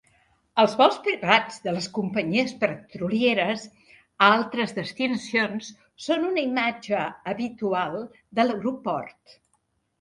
Els vols privats de les companyies petrolieres a altres destinacions són una imatge habitual de l'aeroport.